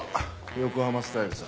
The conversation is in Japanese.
横浜スタイルさ。